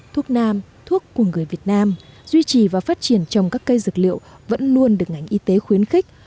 thuốc nam thuốc của người việt nam duy trì và phát triển trồng các cây dược liệu vẫn luôn được ngành y tế khuyến khích